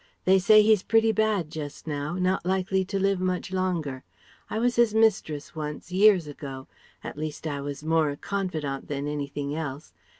They say he's pretty bad just now, not likely to live much longer. I was his mistress once, years ago at least I was more a confidante than anything else.